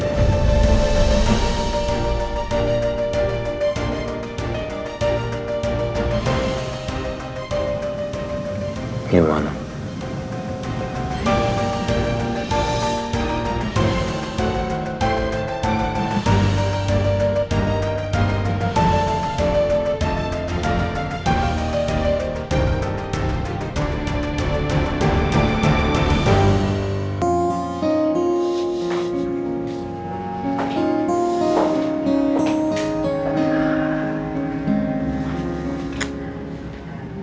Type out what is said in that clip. kau beings sama mamah